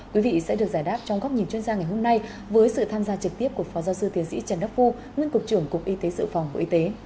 quý vị sẽ được giải đáp trong góc nhìn chuyên gia ngày hôm nay với sự tham gia trực tiếp của phó giáo sư tiến sĩ trần đắc phu nguyên cục trưởng cục y tế sự phòng bộ y tế